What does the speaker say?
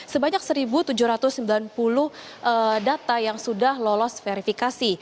sebanyak satu tujuh ratus sembilan puluh data yang sudah lolos verifikasi